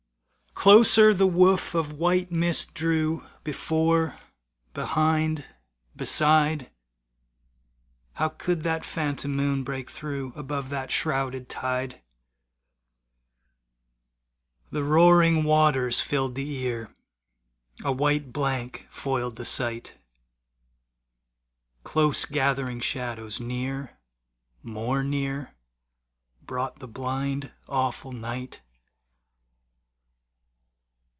Closer the woof of white mist drew, Before, behind, beside. How could that phantom moon break through, Above that shrouded tide? The roaring waters filled the ear, A white blank foiled the sight. Close gathering shadows near, more near, Brought the blind, awful night.